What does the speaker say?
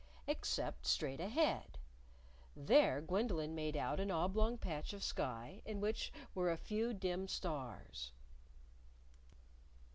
Except straight ahead! There Gwendolyn made out an oblong patch of sky in which were a few dim stars.